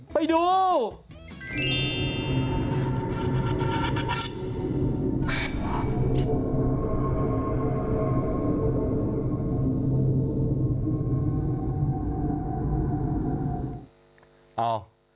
ไปดู